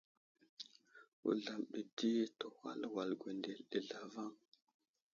Wuzlam ɗi di təhwal wal gwendele ɗi zlavaŋ.